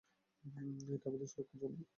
এটা আমাদের সুরক্ষার জন্য।